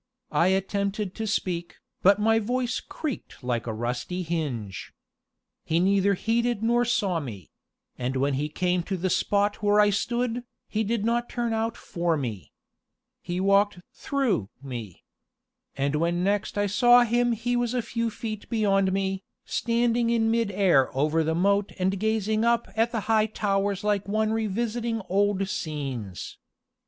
I attempted to speak, but my voice creaked like a rusty hinge. He neither heeded nor saw me; and when he came to the spot where I stood, he did not turn out for me. He walked through me! And when next I saw him he was a few feet beyond me, standing in mid air over the moat and gazing up at the high towers like one revisiting old scenes.